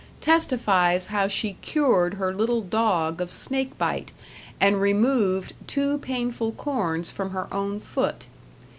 testifies how she cured her little dog of snake bite and removed two painful corns from her own foot.